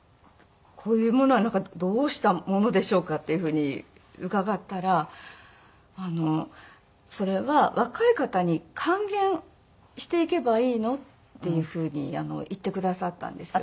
こういうものはどうしたものでしょうかっていうふうに伺ったら「それは若い方に還元していけばいいの」っていうふうに言ってくださったんです。